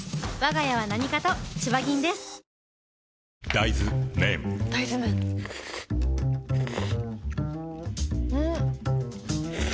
大豆麺ん？